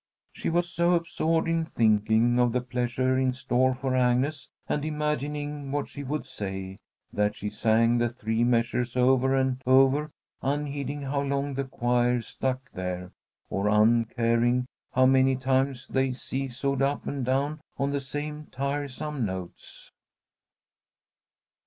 She was so absorbed in thinking of the pleasure in store for Agnes, and imagining what she would say, that she sang the three measures over and over, unheeding how long the choir stuck there, or uncaring how many times they seesawed up and down on the same tiresome notes.